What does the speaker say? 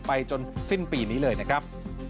จนสิ้นปีนี้เลยนะครับ